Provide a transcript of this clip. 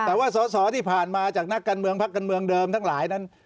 แต่ว่าสอสอที่ผ่านมาจากนักการเมืองพักการเมืองเดิมทั้งหลายนั้น